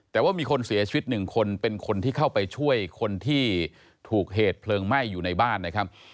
แต่ว่ามีคนเสียชีวิตหนึ่งคนเป็นคนที่เข้าไปช่วยคนที่ถูกเหตุเพลิงไหม้อยู่ในบ้านนะครับ